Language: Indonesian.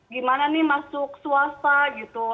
gimana nih masuk swasta gitu